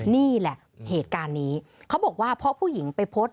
นี่แหละเหตุการณ์นี้เขาบอกว่าเพราะผู้หญิงไปโพสต์